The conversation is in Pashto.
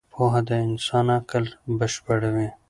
پوهه د انسان عقل بشپړوي.